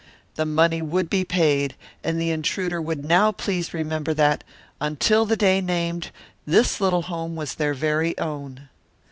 The money would be paid and the intruder would now please remember that, until the day named, this little home was their very own.